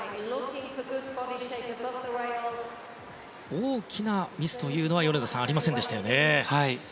大きなミスというのは米田さん、ありませんでしたね。